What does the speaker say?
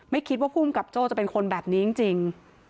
ไม่คิดว่าภูมิกับโจ้จะเป็นคนแบบนี้จริง